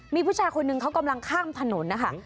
มีผู้ชายคนหนึ่งเขากำลังข้ามถนนนะคะ